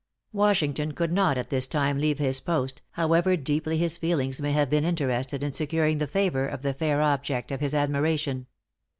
Washington could not at this time leave his post, however deeply his feelings may have been interested in securing the favor of the fair object of his admiration.